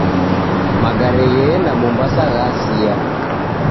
Magare gheenda Mombasa ghasia